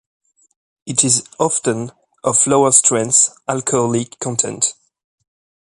It is often of lower strength alcoholic content.